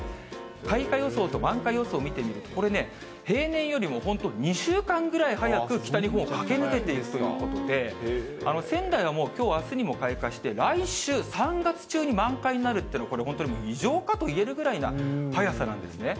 開花予想と満開予想を見てみると、これね、平年よりも本当、２週間ぐらい早く北日本を駆け抜けていくということで、仙台はもうきょう、あすにも開花して、来週、３月中に満開になるというのは、これ、本当に異常かと言えるぐらいな早さなんですね。